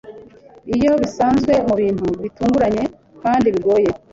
Iyo bisanze mubintu bitunguranye kandi bigoye